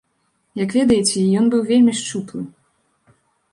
Як ведаеце, ён быў вельмі шчуплы.